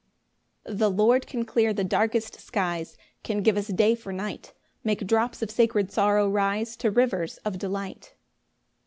4 The Lord can clear the darkest skies, Can give us day for night, Make drops of sacred sorrow rise To rivers of delight.